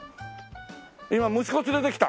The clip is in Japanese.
今息子連れてきた。